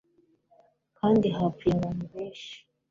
kandi hapfuye abantu benshi